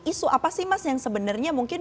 isu apa sih mas yang sebenarnya mungkin